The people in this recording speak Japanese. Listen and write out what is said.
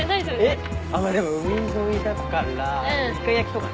えっ海沿いだからいか焼きとか。